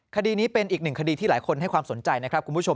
คดีนี้เป็นอีกหนึ่งคดีที่หลายคนให้ความสนใจนะครับคุณผู้ชม